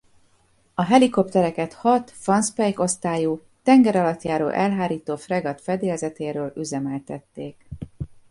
A helikoptereket hat Van Speijk-osztályú tengeralattjáró-elhárító fregatt fedélzetéről üzemeltették.